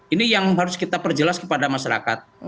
ini yang harus kita perjelas kepada masyarakat